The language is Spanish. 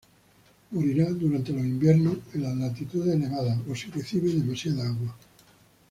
Morirá durante los inviernos en las latitudes elevadas o si recibe demasiado agua.